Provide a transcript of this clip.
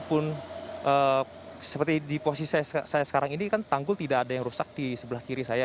kalau memang air pasang itu sudah tinggi tingginya itu meskipun seperti di posisi saya sekarang ini kan tanggul tidak ada yang rusak di sebelah kiri saya